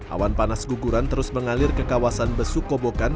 awan panas guguran terus mengalir ke kawasan besukobokan